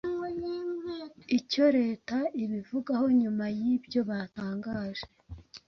icyo leta ibivugaho nyuma yibyo batangaje